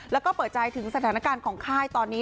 แล้วก็เปิดใจถึงสถานการณ์ของค่ายตอนนี้